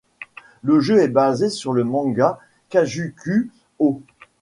Le jeu est basé sur le manga Kujaku-Ō.